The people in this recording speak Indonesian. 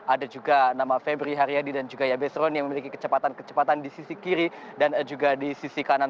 ada juga nama febri haryadi dan juga yabesron yang memiliki kecepatan kecepatan di sisi kiri dan juga di sisi kanan